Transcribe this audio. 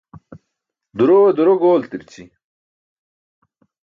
Durowe duro gooltirići.